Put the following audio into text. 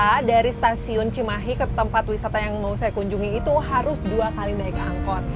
kita dari stasiun cimahi ke tempat wisata yang mau saya kunjungi itu harus dua kali naik angkot